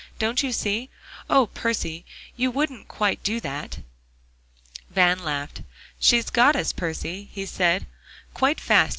Don't you see? Oh, Percy! you wouldn't quite do that?" Van laughed. "She's got us, Percy," he said, "quite fast.